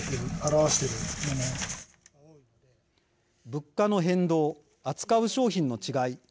物価の変動扱う商品の違い